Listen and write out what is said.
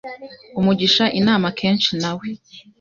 umugisha inama akenshi nawe